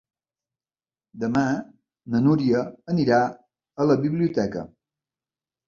Demà na Núria anirà a la biblioteca.